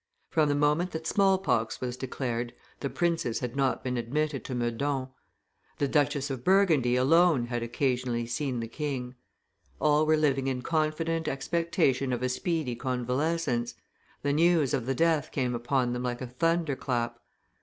From the moment that small pox was declared, the princes had not been admitted to Meudon. The Duchess of Burgundy alone had occasionally seen the king. All were living in confident expectation of a speedy convalescence; the news of the death came upon them like a thunderclap.